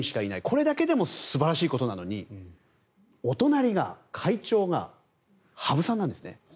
これだけでも素晴らしいことなのにお隣が会長が羽生さんなんです。